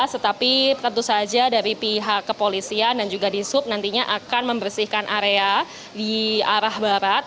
tetapi tentu saja dari pihak kepolisian dan juga di sub nantinya akan membersihkan area di arah barat